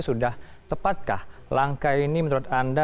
sudah tepatkah langkah ini menurut anda